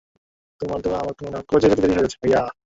কলেজে যেতে দেরি হয়ে যাচ্ছে, ভাইয়া।